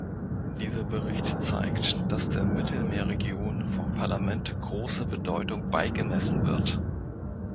Dieser Bericht zeigt, dass der Mittelmeerregion vom Parlament große Bedeutung beigemessen wird.